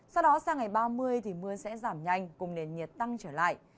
sau đó sang ngày ba mươi thì mưa sẽ giảm nhanh cùng nền nhiệt tăng trở lại